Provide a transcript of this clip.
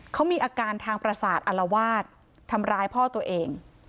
เขามีอาการทางประสาทอลวาดทำร้ายพ่อตัวเอง